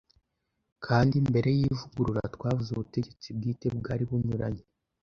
kandi mbere y'ivugurura twavuze, ubutegetsi bwite bwari bunyuranye